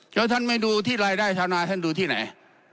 แล้วท่านไม่ดูที่รายได้ชาวนาท่านดูที่ไหน